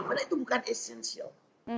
karena itu bukan essential